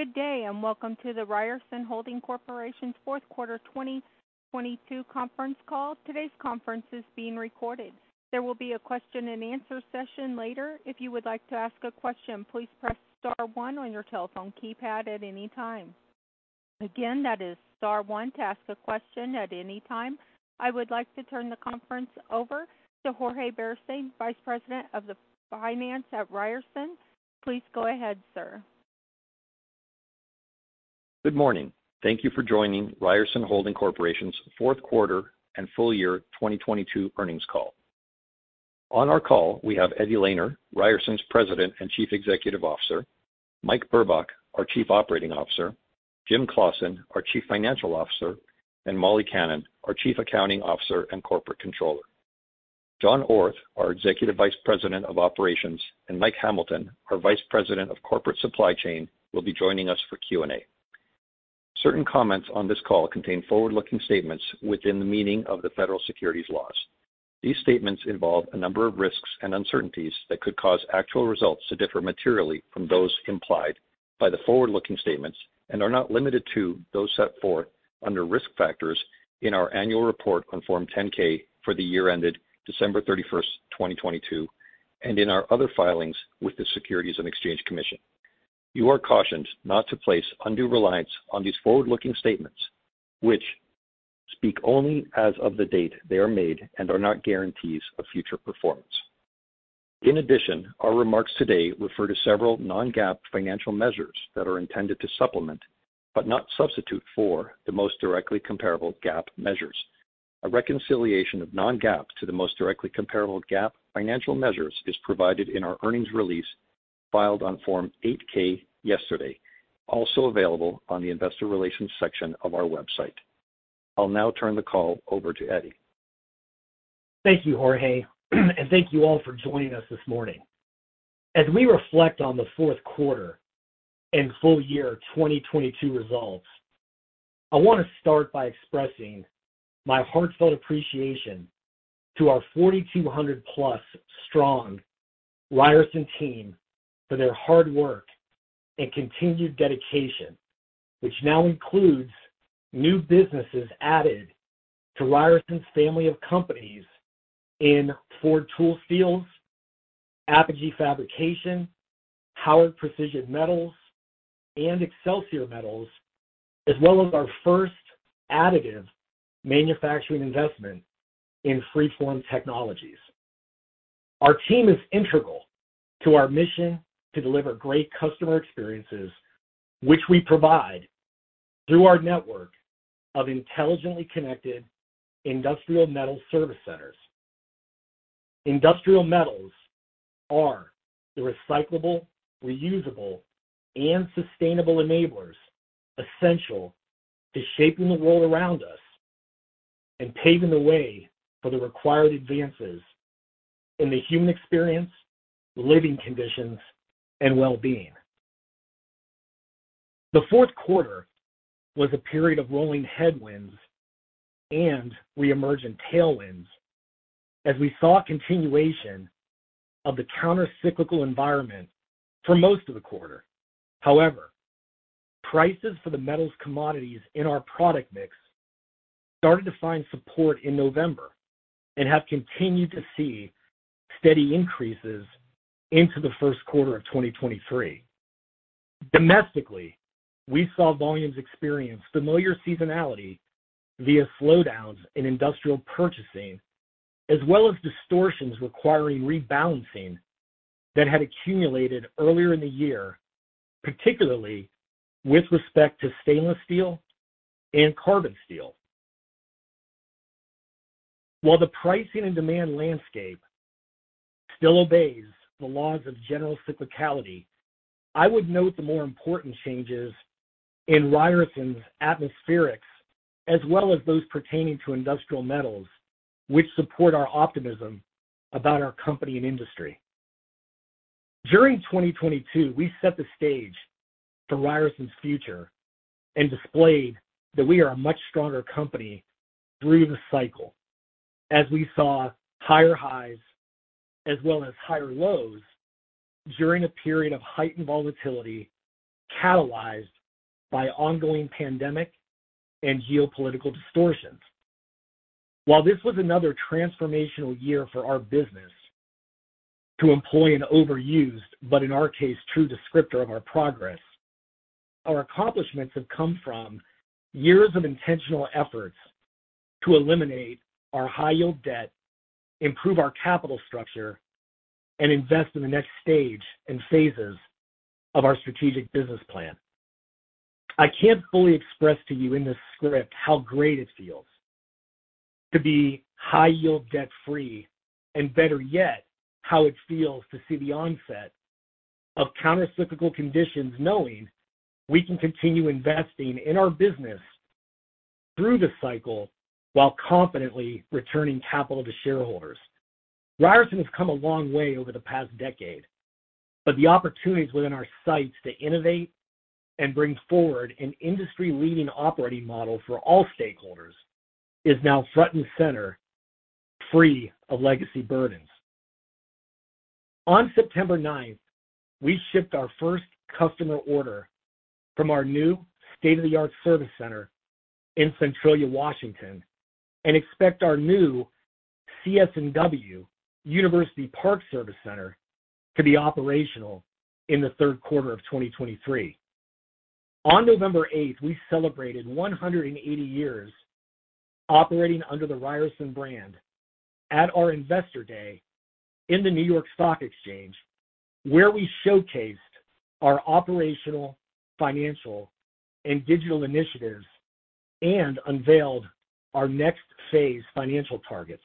Good day. Welcome to the Ryerson Holding Corporation's Fourth Quarter 2022 Conference Call. Today's conference is being recorded. There will be a question-and-answer session later. If you would like to ask a question, please press star one on your telephone keypad at any time. Again, that is star one to ask a question at any time. I would like to turn the conference over to Jorge Beristain, Vice President of the Finance at Ryerson. Please go ahead, sir. Good morning. Thank you for joining Ryerson Holding Corporation's Fourth Quarter and Full Year 2022 Earnings Call. On our call, we have Eddie Lehner, Ryerson's President and Chief Executive Officer, Mike Burbach, our Chief Operating Officer, Jim Claussen, our Chief Financial Officer, and Molly Kannan, our Chief Accounting Officer and Corporate Controller. John Orth, our Executive Vice President of Operations, and Mike Hamilton, our Vice President of Corporate Supply Chain, will be joining us for Q&A. Certain comments on this call contain forward-looking statements within the meaning of the federal securities laws. These statements involve a number of risks and uncertainties that could cause actual results to differ materially from those implied by the forward-looking statements and are not limited to those set forth under risk factors in our annual report on Form 10-K for the year ended December thirty-first, 2022, and in our other filings with the Securities and Exchange Commission. You are cautioned not to place undue reliance on these forward-looking statements, which speak only as of the date they are made and are not guarantees of future performance. In addition, our remarks today refer to several non-GAAP financial measures that are intended to supplement, but not substitute for, the most directly comparable GAAP measures. A reconciliation of non-GAAP to the most directly comparable GAAP financial measures is provided in our earnings release filed on Form 8-K yesterday, also available on the investor relations section of our website. I'll now turn the call over to Eddie. Thank you, Jorge. Thank you all for joining us this morning. As we reflect on the fourth quarter and full year 2022 results, I want to start by expressing my heartfelt appreciation to our 4,200-plus strong Ryerson team for their hard work and continued dedication, which now includes new businesses added to Ryerson's family of companies in Ford Tool Steels, Apogee Fabrication, Howard Precision Metals, and Excelsior Metals, as well as our first additive manufacturing investment in FreeFORM Technologies. Our team is integral to our mission to deliver great customer experiences, which we provide through our network of intelligently connected industrial metal service centers. Industrial metals are the recyclable, reusable, and sustainable enablers essential to shaping the world around us and paving the way for the required advances in the human experience, living conditions, and well-being. The fourth quarter was a period of rolling headwinds and reemerging tailwinds as we saw a continuation of the countercyclical environment for most of the quarter. Prices for the metals commodities in our product mix started to find support in November and have continued to see steady increases into the first quarter of 2023. Domestically, we saw volumes experience familiar seasonality via slowdowns in industrial purchasing, as well as distortions requiring rebalancing that had accumulated earlier in the year, particularly with respect to stainless steel and carbon steel. The pricing and demand landscape still obeys the laws of general cyclicality, I would note the more important changes in Ryerson's atmospherics, as well as those pertaining to industrial metals, which support our optimism about our company and industry. During 2022, we set the stage for Ryerson's future and displayed that we are a much stronger company through the cycle as we saw higher highs as well as higher lows during a period of heightened volatility catalyzed by ongoing pandemic and geopolitical distortions. While this was another transformational year for our business to employ an overused, but in our case, true descriptor of our progress, our accomplishments have come from years of intentional efforts to eliminate our high-yield debt, improve our capital structure, and invest in the next stage and phases of our strategic business plan. I can't fully express to you in this script how great it feels to be high-yield debt-free, and better yet, how it feels to see the onset of countercyclical conditions, knowing we can continue investing in our business through the cycle while confidently returning capital to shareholders. Ryerson has come a long way over the past decade. The opportunities within our sights to innovate and bring forward an industry-leading operating model for all stakeholders is now front and center, free of legacy burdens. On September ninth, we shipped our first customer order from our new state-of-the-art service center in Centralia, Washington, and expect our new CS&W University Park Service Center to be operational in the third quarter of 2023. On November eighth, we celebrated 180 years operating under the Ryerson brand at our Investor Day in the New York Stock Exchange, where we showcased our operational, financial, and digital initiatives and unveiled our next phase financial targets.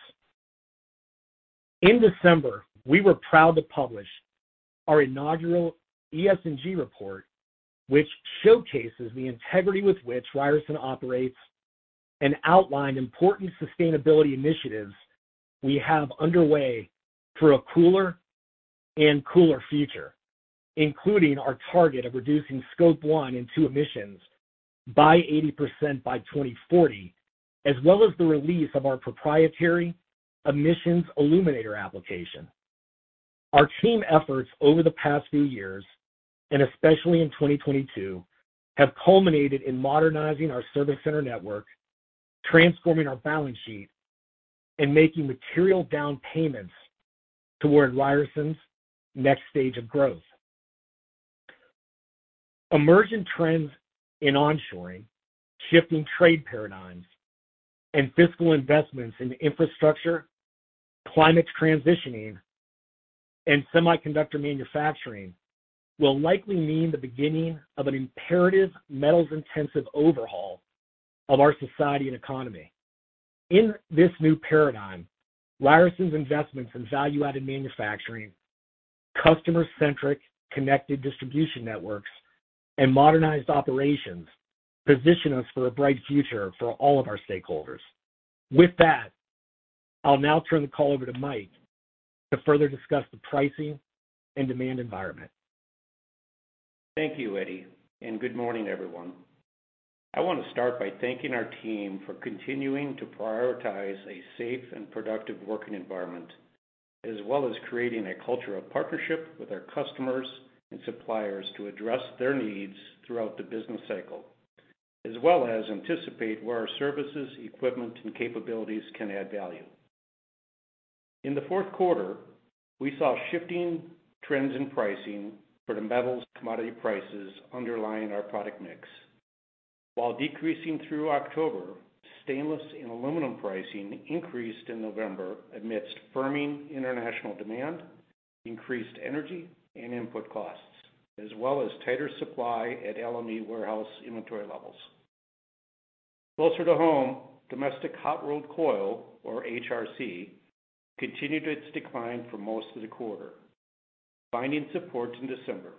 In December, we were proud to publish our inaugural ESG report, which showcases the integrity with which Ryerson operates and outlined important sustainability initiatives we have underway for a cooler and cooler future, including our target of reducing Scope 1 and 2 emissions by 80% by 2040, as well as the release of our proprietary Emissions Illuminator application. Our team efforts over the past few years, and especially in 2022, have culminated in modernizing our service center network, transforming our balance sheet, and making material down payments toward Ryerson's next stage of growth. Emerging trends in onshoring, shifting trade paradigms, and fiscal investments in infrastructure, climate transitioning, and semiconductor manufacturing will likely mean the beginning of an imperative metals-intensive overhaul of our society and economy. In this new paradigm, Ryerson's investments in value-added manufacturing, customer-centric connected distribution networks, and modernized operations position us for a bright future for all of our stakeholders. With that, I'll now turn the call over to Mike to further discuss the pricing and demand environment. Thank you, Eddie, and good morning, everyone. I want to start by thanking our team for continuing to prioritize a safe and productive working environment, as well as creating a culture of partnership with our customers and suppliers to address their needs throughout the business cycle, as well as anticipate where our services, equipment, and capabilities can add value. In the fourth quarter, we saw shifting trends in pricing for the metals commodity prices underlying our product mix. While decreasing through October, stainless and aluminum pricing increased in November amidst firming international demand, increased energy and input costs, as well as tighter supply at LME warehouse inventory levels. Closer to home, domestic hot-rolled coil, or HRC, continued its decline for most of the quarter, finding support in December.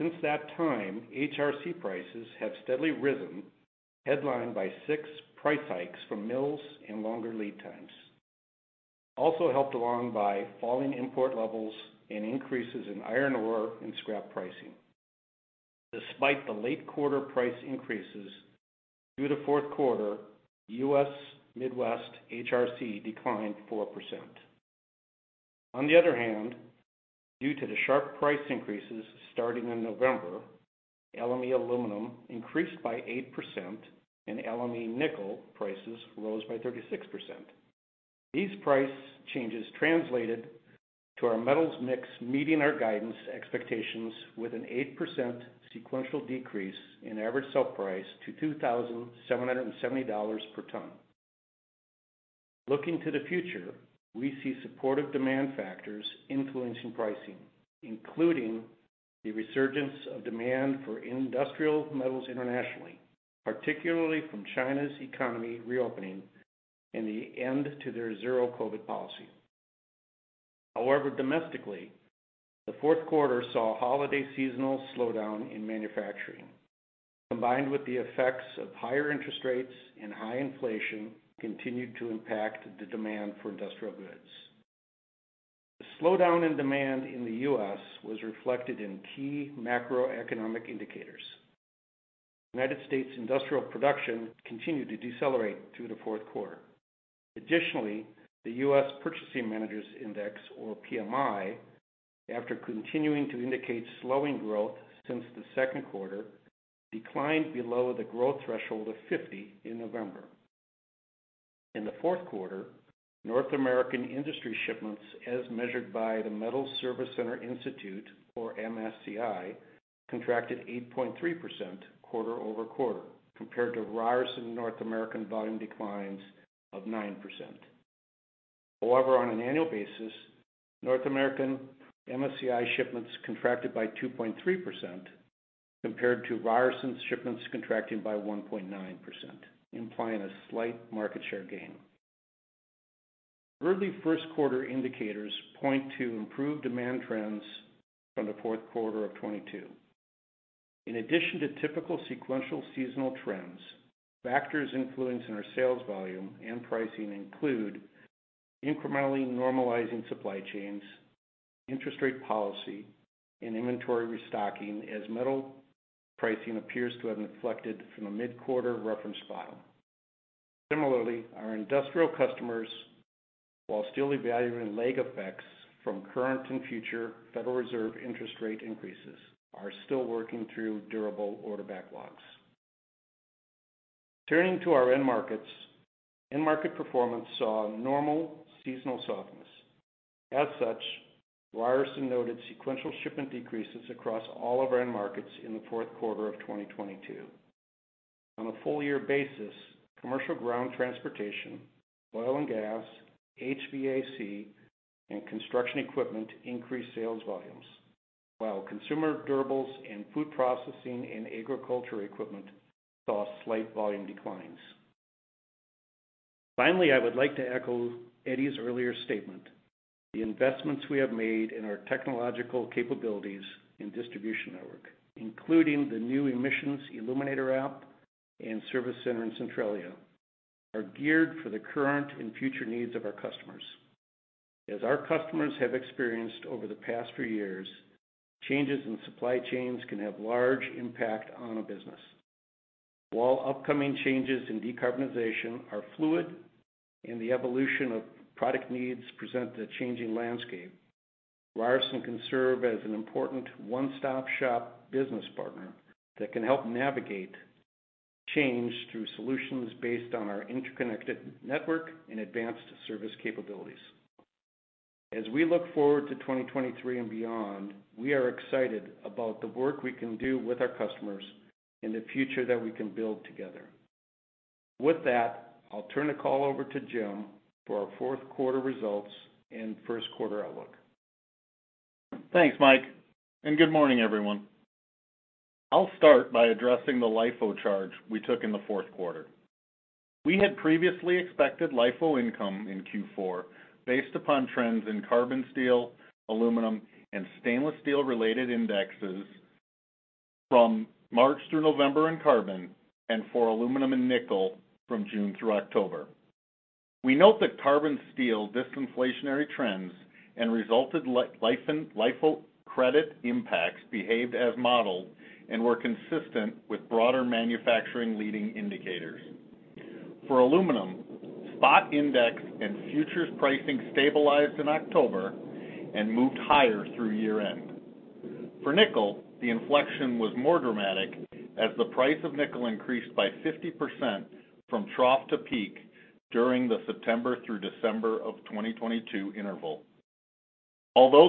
Since that time, HRC prices have steadily risen, headlined by six price hikes from mills and longer lead times. Helped along by falling import levels and increases in iron ore and scrap pricing. Despite the late-quarter price increases, through the fourth quarter, U.S. Midwest HRC declined 4%. On the other hand, due to the sharp price increases starting in November, LME aluminum increased by 8%, and LME nickel prices rose by 36%. These price changes translated to our metals mix meeting our guidance expectations with an 8% sequential decrease in average sale price to $2,770 per ton. Looking to the future, we see supportive demand factors influencing pricing, including the resurgence of demand for industrial metals internationally, particularly from China's economy reopening and the end to their zero-COVID policy. Domestically, the fourth quarter saw a holiday seasonal slowdown in manufacturing, combined with the effects of higher interest rates and high inflation continued to impact the demand for industrial goods. The slowdown in demand in the U.S. was reflected in key macroeconomic indicators. United States Industrial Production continued to decelerate through the fourth quarter. Additionally, the U.S. Purchasing Managers Index, or PMI, after continuing to indicate slowing growth since the second quarter, declined below the growth threshold of 50 in November. In the fourth quarter, North American industry shipments as measured by the Metals Service Center Institute, or MSCI, contracted 8.3% quarter-over-quarter compared to Ryerson North American volume declines of 9%. On an annual basis, North American MSCI shipments contracted by 2.3% compared to Ryerson's shipments contracting by 1.9%, implying a slight market share gain. Early first-quarter indicators point to improved demand trends from the fourth quarter of 2022. In addition to typical sequential seasonal trends, factors influencing our sales volume and pricing include incrementally normalizing supply chains, interest rate policy, and inventory restocking as metal pricing appears to have inflected from a mid-quarter reference point. Similarly, our industrial customers, while still evaluating lag effects from current and future Federal Reserve interest rate increases, are still working through durable order backlogs. Turning to our end markets. End market performance saw normal seasonal softness. As such, Ryerson noted sequential shipment decreases across all of our end markets in the fourth quarter of 2022. On a full year basis, commercial ground transportation, oil and gas, HVAC, and construction equipment increased sales volumes, while consumer durables and food processing and agriculture equipment saw slight volume declines. Finally, I would like to echo Eddie's earlier statement. The investments we have made in our technological capabilities and distribution network, including the new Emissions Illuminator app and service center in Centralia, are geared for the current and future needs of our customers. As our customers have experienced over the past few years, changes in supply chains can have large impact on a business. While upcoming changes in decarbonization are fluid and the evolution of product needs present a changing landscape, Ryerson can serve as an important one-stop shop business partner that can help navigate change through solutions based on our interconnected network and advanced service capabilities. As we look forward to 2023 and beyond, we are excited about the work we can do with our customers and the future that we can build together. I'll turn the call over to Jim for our fourth quarter results and first quarter outlook. Thanks, Mike, and good morning, everyone. I'll start by addressing the LIFO charge we took in the fourth quarter. We had previously expected LIFO income in Q4 based upon trends in carbon steel, aluminum, and stainless steel-related indexes from March through November in carbon and for aluminum and nickel from June through October. We note that carbon steel disinflationary trends and resulted LIFO credit impacts behaved as modeled and were consistent with broader manufacturing leading indicators. For aluminum, spot index and futures pricing stabilized in October and moved higher through year-end. For nickel, the inflection was more dramatic as the price of nickel increased by 50% from trough to peak during the September through December of 2022 interval.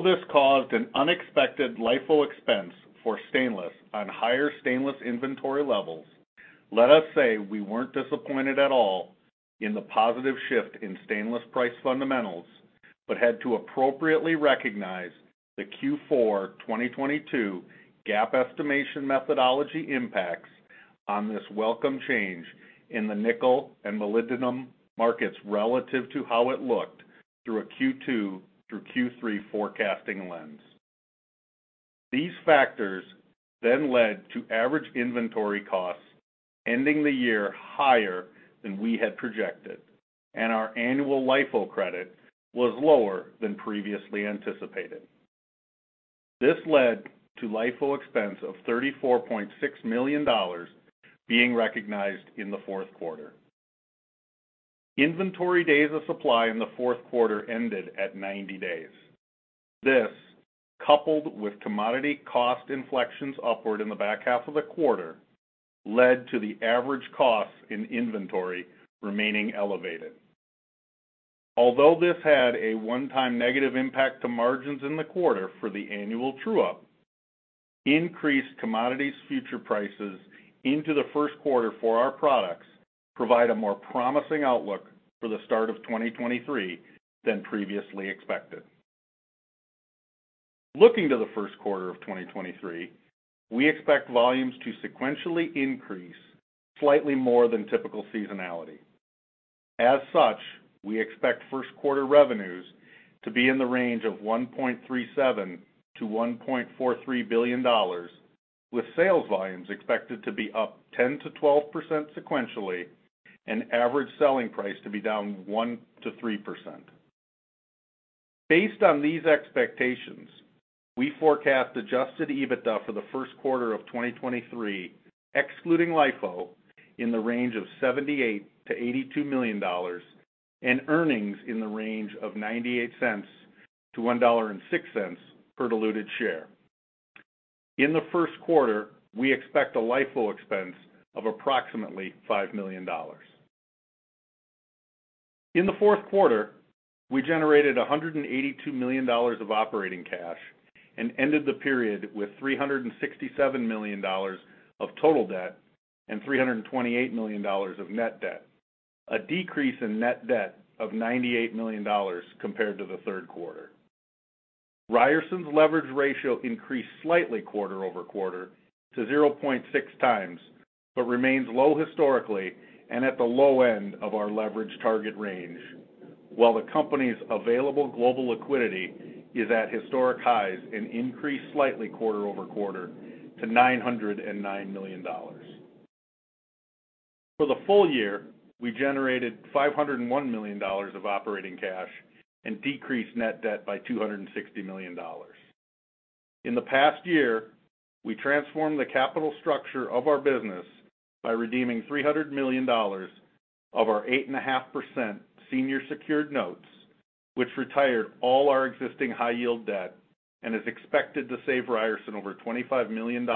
This caused an unexpected LIFO expense for stainless on higher stainless inventory levels. Let us say we weren't disappointed at all in the positive shift in stainless price fundamentals, but had to appropriately recognize the Q4 2022 GAAP estimation methodology impacts on this welcome change in the nickel and molybdenum markets relative to how it looked through a Q2 through Q3 forecasting lens. These factors led to average inventory costs ending the year higher than we had projected, and our annual LIFO credit was lower than previously anticipated. This led to LIFO expense of $34.6 million being recognized in the fourth quarter. Inventory days of supply in the fourth quarter ended at 90 days. This, coupled with commodity cost inflections upward in the back half of the quarter, led to the average costs in inventory remaining elevated. Although this had a one-time negative impact to margins in the quarter for the annual true-up, increased commodity future prices into the first quarter for our products provide a more promising outlook for the start of 2023 than previously expected. Looking to the first quarter of 2023, we expect volumes to sequentially increase slightly more than typical seasonality. As such, we expect first quarter revenues to be in the range of $1.37 billion-$1.43 billion, with sales volumes expected to be up 10%-12% sequentially and average selling price to be down 1%-3%. Based on these expectations, we forecast adjusted EBITDA for the first quarter of 2023, excluding LIFO, in the range of $78 million-$82 million and earnings in the range of $0.98-$1.06 per diluted share. In the first quarter, we expect a LIFO expense of approximately $5 million. In the fourth quarter, we generated $182 million of operating cash and ended the period with $367 million of total debt and $328 million of net debt, a decrease in net debt of $98 million compared to the third quarter. Ryerson leverage ratio increased slightly quarter-over-quarter to 0.6x, but remains low historically and at the low end of our leverage target range, while the company's available global liquidity is at historic highs and increased slightly quarter-over-quarter to $909 million. For the full year, we generated $501 million of operating cash and decreased net debt by $260 million. In the past year, we transformed the capital structure of our business by redeeming $300 million of our 8.5% Senior Secured Notes, which retired all our existing high-yield debt and is expected to save Ryerson over $25 million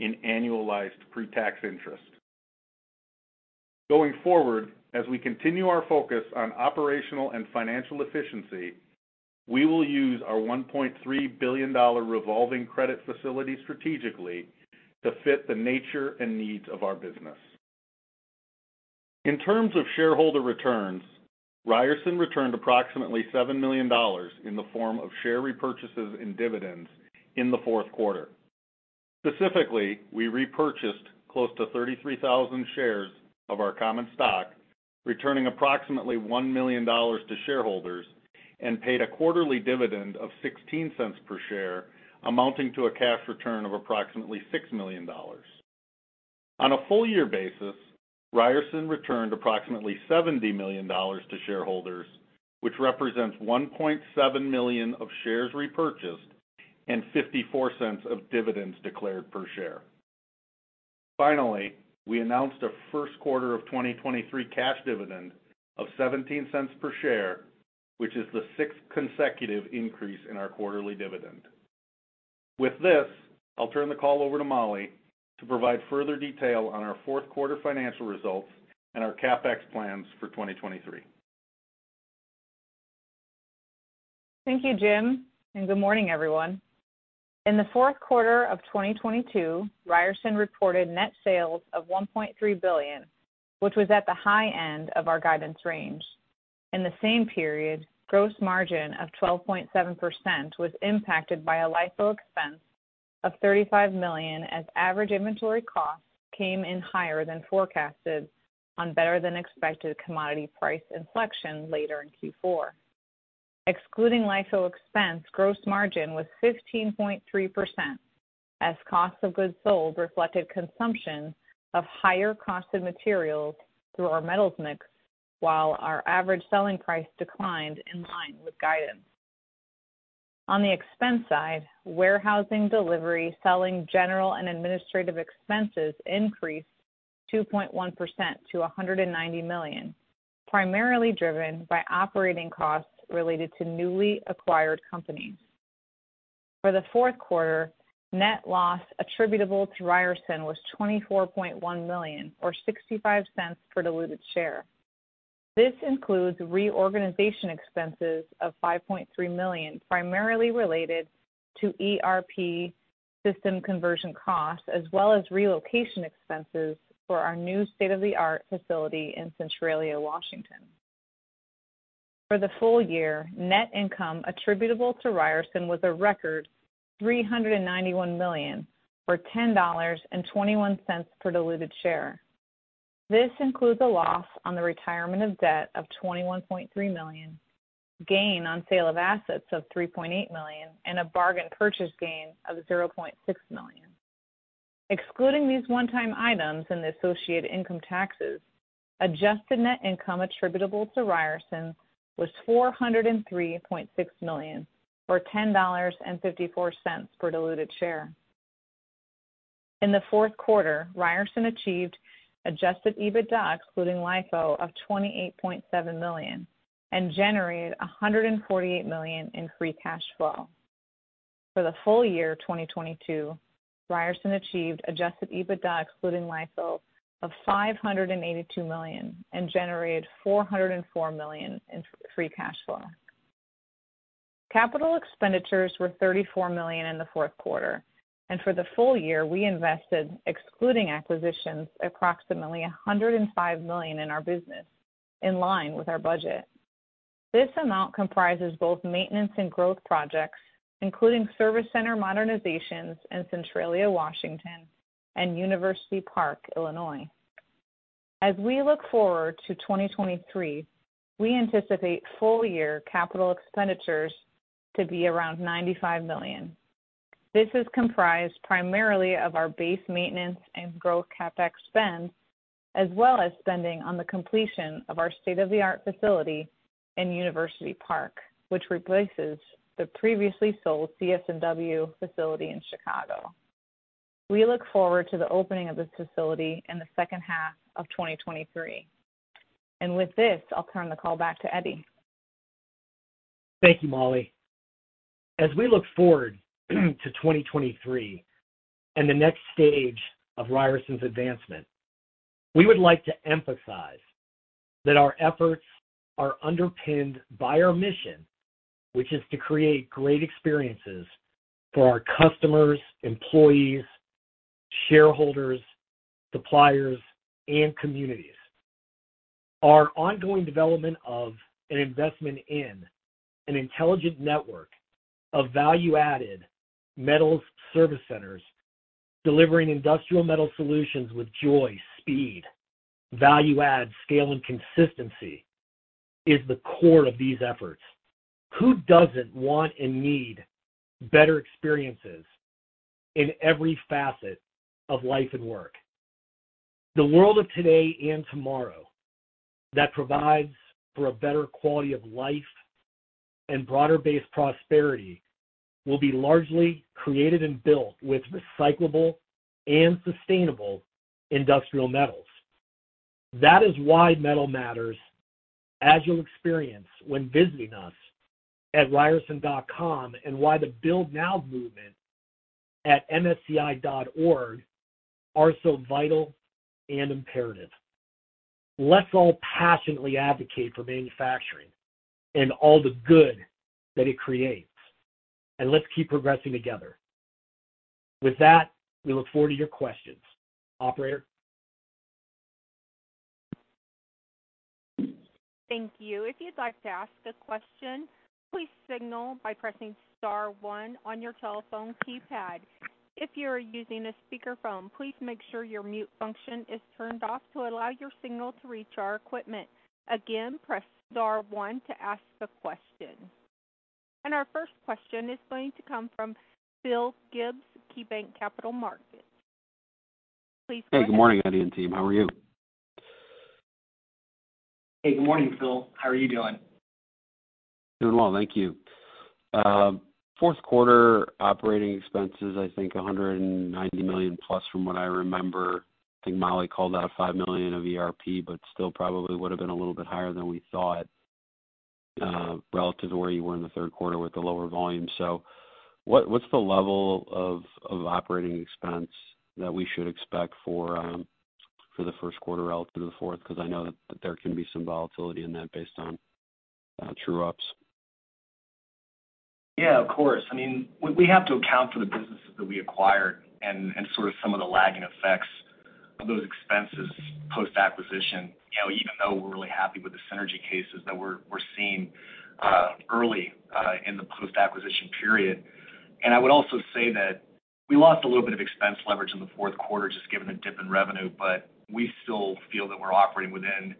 in annualized pre-tax interest. Going forward, as we continue our focus on operational and financial efficiency, we will use our $1.3 billion revolving credit facility strategically to fit the nature and needs of our business. In terms of shareholder returns, Ryerson returned approximately $7 million in the form of share repurchases and dividends in the fourth quarter. Specifically, we repurchased close to 33,000 shares of our common stock, returning approximately $1 million to shareholders and paid a quarterly dividend of $0.16 per share, amounting to a cash return of approximately $6 million. On a full year basis, Ryerson returned approximately $70 million to shareholders, which represents 1.7 million of shares repurchased and $0.54 of dividends declared per share. We announced our first quarter of 2023 cash dividend of $0.17 per share, which is the sixth consecutive increase in our quarterly dividend. With this, I'll turn the call over to Molly to provide further detail on our fourth quarter financial results and our CapEx plans for 2023. Thank you, Jim, and good morning, everyone. In the fourth quarter of 2022, Ryerson reported net sales of $1.3 billion, which was at the high end of our guidance range. In the same period, gross margin of 12.7% was impacted by a LIFO expense of $35 million, as average inventory costs came in higher than forecasted on better-than-expected commodity price inflection later in Q4. Excluding LIFO expense, gross margin was 15.3% as cost of goods sold reflected consumption of higher cost of material through our metals mix, while our average selling price declined in line with guidance. On the expense side, warehousing, delivery, selling, general and administrative expenses increased 2.1% to $190 million, primarily driven by operating costs related to newly acquired companies. For the fourth quarter, net loss attributable to Ryerson was $24.1 million or $0.65 per diluted share. This includes reorganization expenses of $5.3 million, primarily related to ERP system conversion costs, as well as relocation expenses for our new state-of-the-art facility in Centralia, Washington. For the full year, net income attributable to Ryerson was a record $391 million or $10.21 per diluted share. This includes a loss on the retirement of debt of $21.3 million, gain on sale of assets of $3.8 million, and a bargain purchase gain of $0.6 million. Excluding these one-time items and the associated income taxes, adjusted net income attributable to Ryerson was $403.6 million or $10.54 per diluted share. In the fourth quarter, Ryerson achieved adjusted EBITDA excluding LIFO of $28.7 million and generated $148 million in free cash flow. For the full year of 2022, Ryerson achieved adjusted EBITDA excluding LIFO of $582 million and generated $404 million in free cash flow. Capital expenditures were $34 million in the fourth quarter, and for the full year, we invested, excluding acquisitions, approximately $105 million in our business in line with our budget. This amount comprises both maintenance and growth projects, including service center modernizations in Centralia, Washington, and University Park, Illinois. As we look forward to 2023, we anticipate full year capital expenditures to be around $95 million. This is comprised primarily of our base maintenance and growth CapEx spend, as well as spending on the completion of our state-of-the-art facility in University Park, which replaces the previously sold CS&W facility in Chicago. We look forward to the opening of this facility in the second half of 2023. With this, I'll turn the call back to Eddie. Thank you, Molly. As we look forward to 2023 and the next stage of Ryerson's advancement, we would like to emphasize that our efforts are underpinned by our mission, which is to create great experiences for our customers, employees, shareholders, suppliers, and communities. Our ongoing development of an investment in an intelligent network of value-added metals service centers, delivering industrial metal solutions with joy, speed, value-add, scale, and consistency is the core of these efforts. Who doesn't want and need better experiences in every facet of life and work? The world of today and tomorrow that provides for a better quality of life and broader-based prosperity will be largely created and built with recyclable and sustainable industrial metals. That's why Metal Matters, as you'll experience when visiting us at ryerson.com, and why the Build Now movement at msci.org are so vital and imperative. Let's all passionately advocate for manufacturing and all the good that it creates, and let's keep progressing together. With that, we look forward to your questions. Operator? Thank you. If you'd like to ask a question, please signal by pressing star one on your telephone keypad. If you're using a speakerphone, please make sure your mute function is turned off to allow your signal to reach our equipment. Again, press star one to ask a question. Our first question is going to come from Phil Gibbs, KeyBanc Capital Markets. Please go ahead. Hey, good morning, Eddie and team. How are you? Hey, good morning, Phil. How are you doing? Doing well. Thank you. Fourth quarter operating expenses, I think $190 million plus from what I remember. I think Molly called out $5 million of ERP, still probably would have been a little bit higher than we thought, relative to where you were in the third quarter with the lower volume. What's the level of operating expense that we should expect for the first quarter relative to the fourth? I know that there can be some volatility in that based on true ups. Yeah, of course. I mean, we have to account for the businesses that we acquired and sort of some of the lagging effects of those expenses post-acquisition, you know, even though we're really happy with the synergy cases that we're seeing early in the post-acquisition period. I would also say that we lost a little bit of expense leverage in the fourth quarter just given the dip in revenue, but we still feel that we're operating within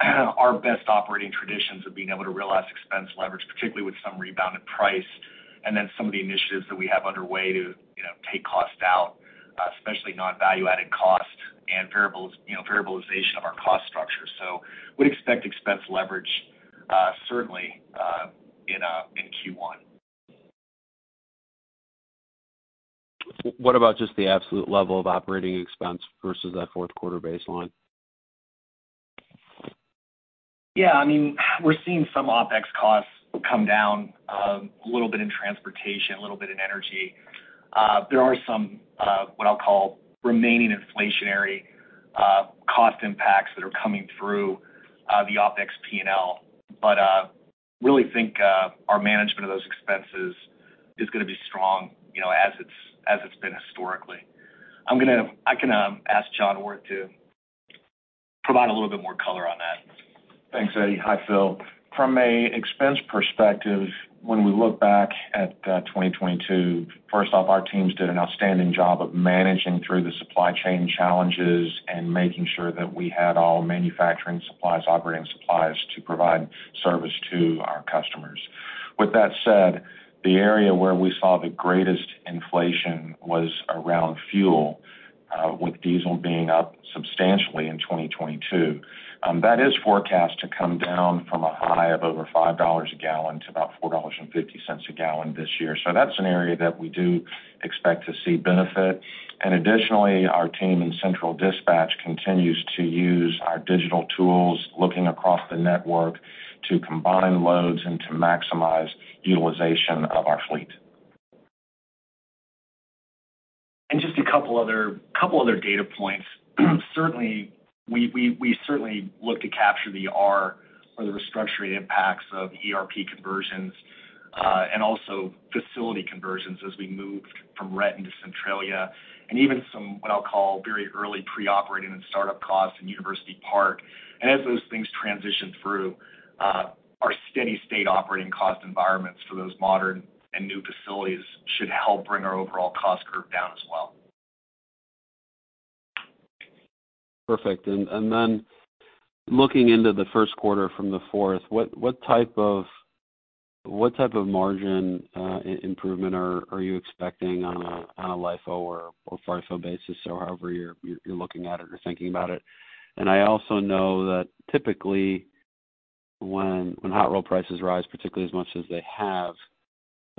our best operating traditions of being able to realize expense leverage, particularly with some rebound in price and then some of the initiatives that we have underway to, you know, take cost out, especially non-value-added cost and variables, you know, variabilization of our cost structure. We'd expect expense leverage certainly in Q1. What about just the absolute level of operating expense versus that fourth quarter baseline? Yeah, I mean, we're seeing some OpEx costs come down, a little bit in transportation, a little bit in energy. There are some, what I'll call remaining inflationary, cost impacts that are coming through the OpEx P&L. Really think our management of those expenses is gonna be strong, you know, as it's, as it's been historically. I can ask John Orth to provide a little bit more color on that. Thanks, Eddie. Hi, Phil. From an expense perspective, when we look back at 2022, first off, our teams did an outstanding job of managing through the supply chain challenges and making sure that we had all manufacturing supplies, operating supplies to provide service to our customers. With that said, the area where we saw the greatest inflation was around fuel, with diesel being up substantially in 2022. That is forecast to come down from a high of over $5 a gallon to about $4.50 a gallon this year. That's an area that we do expect to see benefit. Additionally, our team in central dispatch continues to use our digital tools, looking across the network to combine loads and to maximize utilization of our fleet. Just a couple other data points. Certainly, we certainly look to capture the R or the restructuring impacts of ERP conversions, and also facility conversions as we moved from Renton to Centralia, and even some, what I'll call very early pre-operating and startup costs in University Park. As those things transition through, our steady-state operating cost environments for those modern and new facilities should help bring our overall cost curve down as well. Perfect. Then looking into the first quarter from the fourth, what type of margin improvement are you expecting on a LIFO or FIFO basis or however you're looking at it or thinking about it? I also know that typically when hot roll prices rise particularly as much as they have,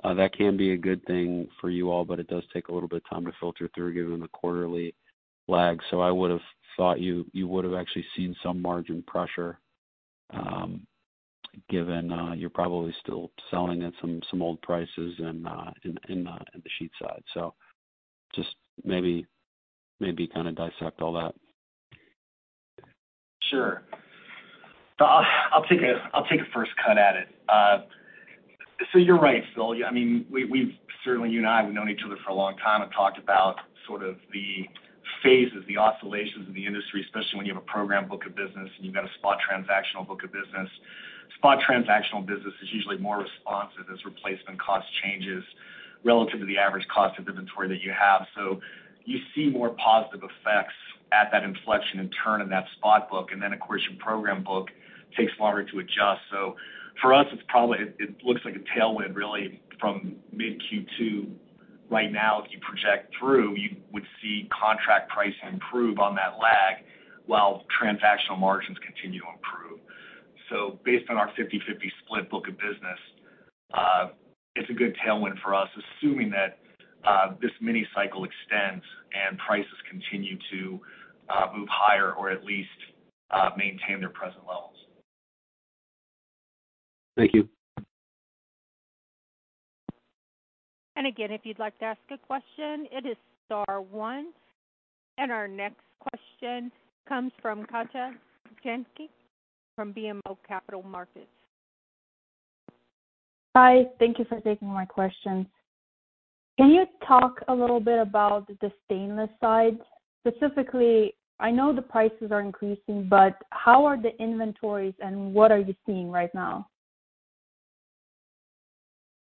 that can be a good thing for you all, but it does take a little bit of time to filter through given the quarterly lag. I would have thought you would have actually seen some margin pressure given you're probably still selling at some old prices and in the sheet side. Just kind of dissect all that. Sure. I'll take a first cut at it. You're right, Phil. I mean, we've certainly, you and I have known each other for a long time and talked about sort of the phases, the oscillations in the industry, especially when you have a program book of business and you've got a spot transactional book of business. Spot transactional business is usually more responsive as replacement cost changes relative to the average cost of inventory that you have. You see more positive effects at that inflection and turn in that spot book. Then, of course, your program book takes longer to adjust. For us, it's probably, it looks like a tailwind really from mid Q2. Right now, if you project through, you would see contract price improve on that lag while transactional margins continue to improve. Based on our 50/50 split book of business, it's a good tailwind for us, assuming that this mini cycle extends and prices continue to move higher or at least maintain their present levels. Thank you. Again, if you'd like to ask a question, it is star 1. Our next question comes from Katja Jancic from BMO Capital Markets. Hi. Thank you for taking my question. Can you talk a little bit about the stainless side? Specifically, I know the prices are increasing, but how are the inventories and what are you seeing right now?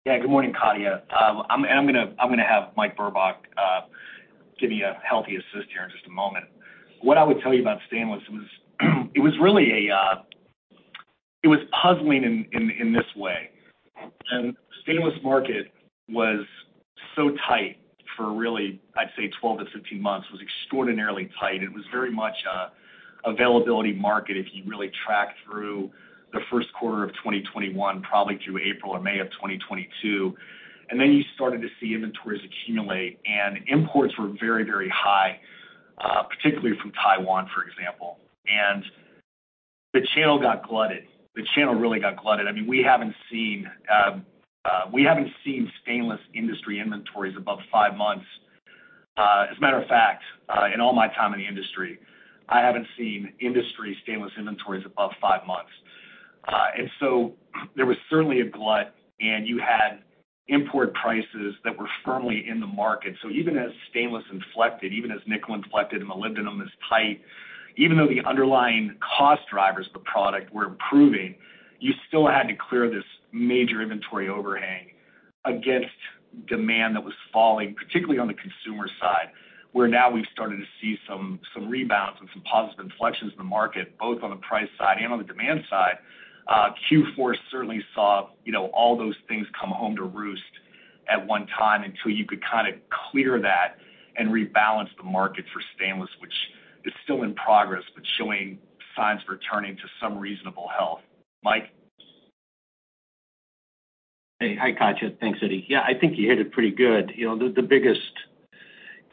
Yeah, good morning, Katja. I'm gonna have Mike Burbach give you a healthy assist here in just a moment. What I would tell you about stainless was it was really a, it was puzzling in this way. Stainless market was so tight for really, I'd say 12 to 15 months, was extraordinarily tight. It was very much an availability market, if you really track through the first quarter of 2021, probably through April or May of 2022. Then you started to see inventories accumulate, and imports were very, very high, particularly from Taiwan, for example. The channel got flooded. The channel really got flooded. I mean, we haven't seen stainless industry inventories above five months. As a matter of fact, in all my time in the industry, I haven't seen industry stainless inventories above five months. There was certainly a glut, and you had import prices that were firmly in the market. Even as stainless inflected, even as nickel inflected, molybdenum is tight, even though the underlying cost drivers of the product were improving, you still had to clear this major inventory overhang against demand that was falling, particularly on the consumer side, where now we've started to see some rebounds and some positive inflections in the market, both on the price side and on the demand side. Q4 certainly saw, you know, all those things come home to roost at one time until you could kind of clear that and rebalance the market for stainless, which is still in progress, but showing signs of returning to some reasonable health. Mike. Hey. Hi, Katja. Thanks, Eddie. Yeah, I think you hit it pretty good. You know, the biggest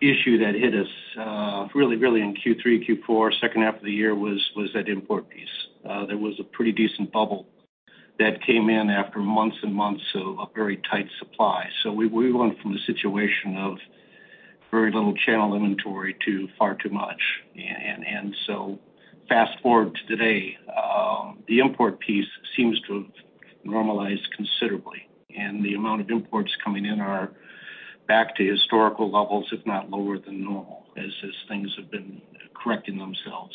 issue that hit us really in Q3, Q4, second half of the year was that import piece. There was a pretty decent bubble that came in after months and months of a very tight supply. We went from the situation of very little channel inventory to far too much. Fast-forward to today, the import piece seems to have normalized considerably, and the amount of imports coming in are back to historical levels, if not lower than normal, as things have been correcting themselves.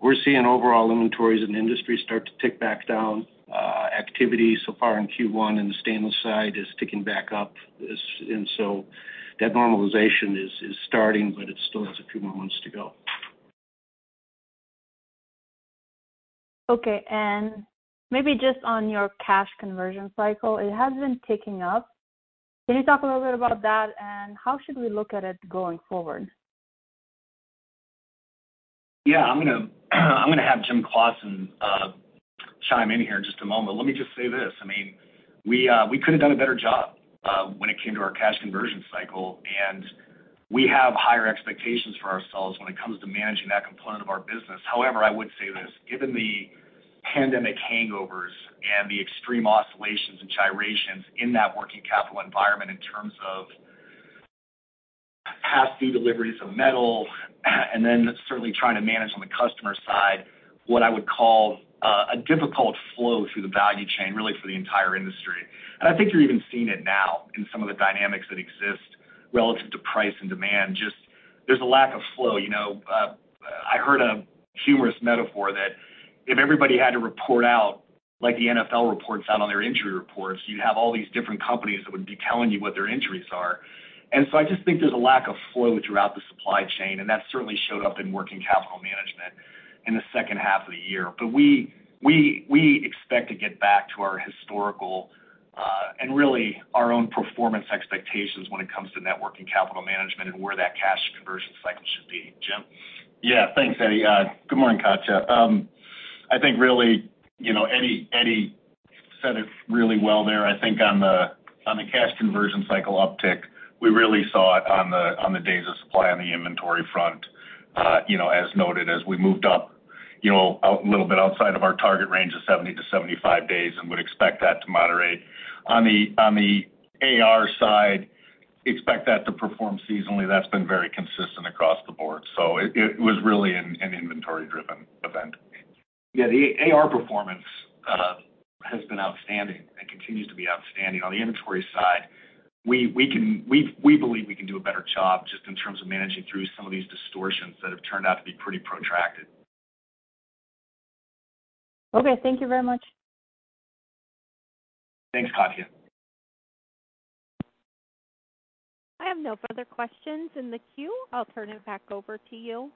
We're seeing overall inventories in the industry start to tick back down. Activity so far in Q1 in the stainless side is ticking back up. That normalization is starting, but it still has a few more months to go. Okay. Maybe just on your cash conversion cycle, it has been ticking up. Can you talk a little bit about that, and how should we look at it going forward? Yeah. I'm gonna have Jim Claussen chime in here in just a moment. Let me just say this. I mean, we could have done a better job when it came to our cash conversion cycle, and we have higher expectations for ourselves when it comes to managing that component of our business. However, I would say this, given the pandemic hangovers and the extreme oscillations and gyrations in that working capital environment in terms of past due deliveries of metal, and then certainly trying to manage on the customer side, what I would call a difficult flow through the value chain, really for the entire industry. I think you're even seeing it now in some of the dynamics that exist relative to price and demand. Just there's a lack of flow. You know, I heard a humorous metaphor that if everybody had to report out, like the NFL reports out on their injury reports, you'd have all these different companies that would be telling you what their injuries are. I just think there's a lack of flow throughout the supply chain, and that certainly showed up in working capital management in the second half of the year. We expect to get back to our historical, and really our own performance expectations when it comes to net working capital management and where that cash conversion cycle should be. Jim. Yeah. Thanks, Eddie. Good morning, Katja. I think really, you know, Eddie said it really well there. I think on the cash conversion cycle uptick, we really saw it on the days of supply on the inventory front, you know, as noted as we moved up, you know, a little bit outside of our target range of 70-75 days and would expect that to moderate. On the AR side, expect that to perform seasonally. That's been very consistent across the board. It was really an inventory-driven event. Yeah. The AR performance has been outstanding and continues to be outstanding. On the inventory side, we believe we can do a better job just in terms of managing through some of these distortions that have turned out to be pretty protracted. Okay. Thank you very much. Thanks, Katja. I have no further questions in the queue. I'll turn it back over to you.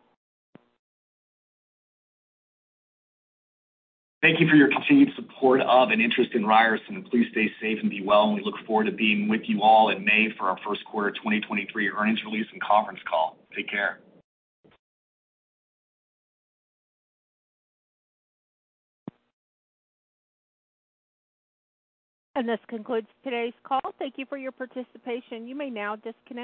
Thank you for your continued support of an interest in Ryerson. Please stay safe and be well. We look forward to being with you all in May for our first quarter 2023 earnings release and conference call. Take care. This concludes today's call. Thank you for your participation. You may now disconnect.